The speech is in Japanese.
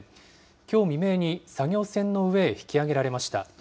きょう未明に作業船の上へ引き揚げられました。